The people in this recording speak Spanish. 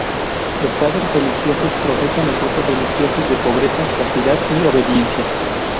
Los padres religiosos profesan los votos religiosos de pobreza, castidad y obediencia.